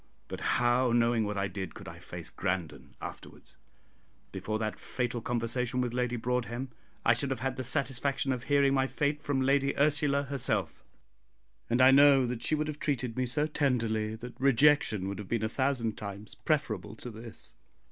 But how, knowing what I did, could I face Grandon afterwards? Before that fatal conversation with Lady Broadhem, I should have had the satisfaction of hearing my fate from Lady Ursula herself, and I know that she would have treated me so tenderly that rejection would have been a thousand times preferable to this.